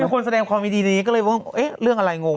ถือว่าเป็นคนแสดงคอมเมดีในนี้ก็เลยว่าเอ๊ะเรื่องอะไรงง